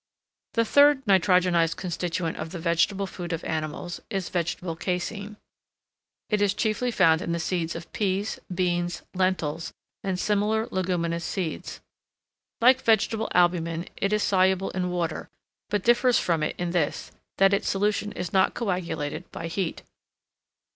The third nitrogenised constituent of the vegetable food of animals is vegetable caseine. It is chiefly found in the seeds of peas, beans, lentils, and similar leguminous seeds. Like vegetable albumen, it is soluble in water, but differs from it in this, that its solution is not coagulated by heat.